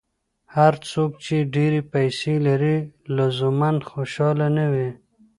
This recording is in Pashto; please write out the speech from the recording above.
هر څوک چې ډېرې پیسې لري، لزوماً خوشاله نه وي.